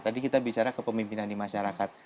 tadi kita bicara kepemimpinan di masyarakat